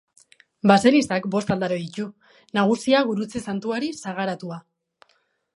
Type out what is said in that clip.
Baselizak bost aldare ditu, nagusia Gurutze Santuari sagaratua.